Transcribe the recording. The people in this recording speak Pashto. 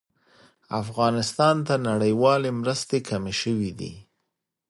افغانستان ته نړيوالې مرستې کمې شوې دي